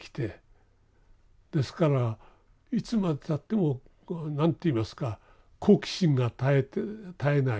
ですからいつまでたっても何と言いますか好奇心が絶えない。